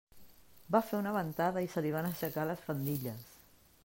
Va fer una ventada i se li van aixecar les faldilles.